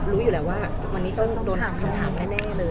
รู้อยู่แล้วว่าวันนี้ต้องโดนถามคำถามแน่เลย